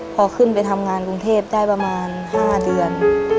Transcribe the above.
พอขึ้นไปทำงานกรุงเทพได้ประมาณ๕เดือน